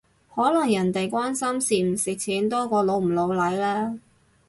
可能人哋關心蝕唔蝕錢多過老唔老嚟呢？